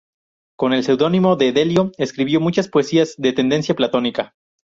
Con el seudónimo de "Delio" escribió muchas poesías de tendencia platónica.